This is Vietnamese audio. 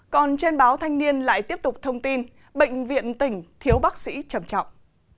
còn trên báo thanh niên lại tiếp tục thông tin bệnh viện tỉnh thiếu bác sĩ trầm trọng